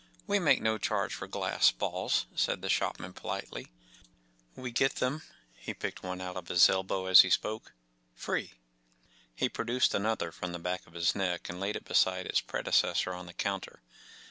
44 We make no charge for glass balls," said the shopman, politely. 14 We get them”— he picked one out of his elbow as be spoke — “free. 11 He produced another from the back of his neck, and laid it beside its predecessor on the counter.